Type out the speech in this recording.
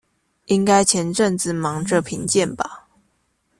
應該前陣子忙著評鑑吧